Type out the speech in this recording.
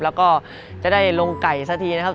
แล้วก็จะได้ลงไก่สักทีนะครับ